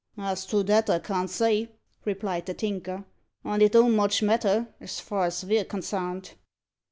"As to that I can't say," replied the Tinker; "and it don't much matter, as far as ve're consarned."